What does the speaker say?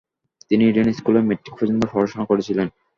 তিনি ইডেন স্কুলে মেট্রিক পর্যন্ত পড়াশোনা করেছিলেন।